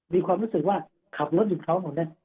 มีความรู้สึกว่าขับรถหยุดเขาหมดนะ